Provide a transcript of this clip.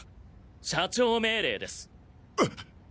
社長命令です！え！！